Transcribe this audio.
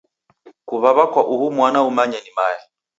Kuw'aw'a kwa uhu mwana umanye ni mae.